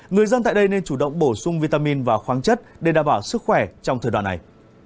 người dân tại đây nên chủ động bổ sung vitamin và khoáng chất để đảm bảo sức khỏe trong thời đoạn này